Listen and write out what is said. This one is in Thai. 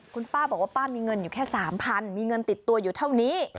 คุณป้าบอกว่าป้ามีเงินอยู่แค่๓๐๐มีเงินติดตัวอยู่เท่านี้